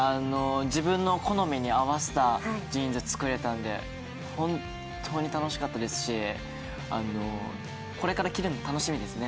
自分の好みに合わせたジーンズを作れたんで本当に楽しかったですしこれから着るのが楽しみですね。